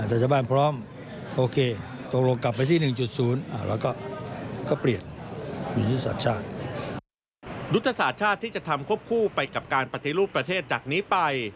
ถ้าชาวบ้านพร้อมโอเคตกลงกลับไปที่๑๐